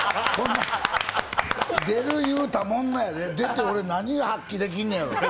出る言うたまんまやで、出て、俺何発揮できんのやろ。